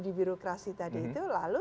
di birokrasi tadi itu lalu